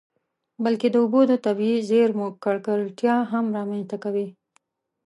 بلکې د اوبو د طبیعي زیرمو ککړتیا هم رامنځته کوي.